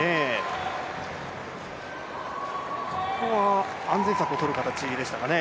ここは安全策をとる形でしたかね。